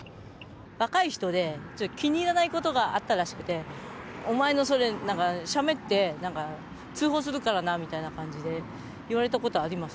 若い人で、気に入らないことがあったらしくて、お前のそれ、写メって、なんか通報するからなみたいな感じで言われたことあります。